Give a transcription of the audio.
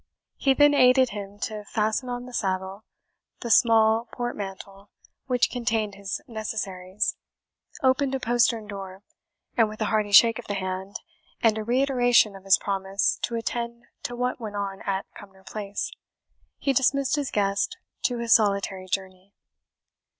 He then aided him to fasten on the saddle the small portmantle which contained his necessaries, opened a postern door, and with a hearty shake of the hand, and a reiteration of his promise to attend to what went on at Cumnor Place, he dismissed his guest to his solitary journey.